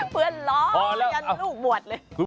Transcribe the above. เพื่อนร้องแล้วยังลูกบวชเลย